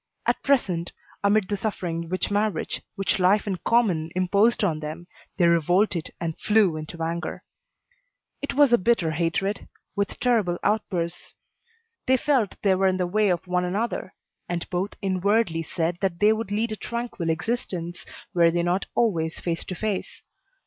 At present, amid the suffering which marriage, which life in common imposed on them, they revolted and flew into anger. It was a bitter hatred, with terrible outbursts. They felt they were in the way of one another, and both inwardly said that they would lead a tranquil existence were they not always face to face.